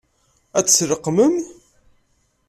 Ad tt-tleqqmem?